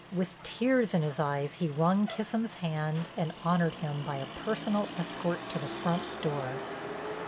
With tears in his eyes he wrung Kissam's hand and honored him by a personal escort to the front door.